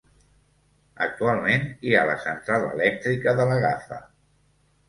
Actualment, hi ha la central elèctrica de la Gafa.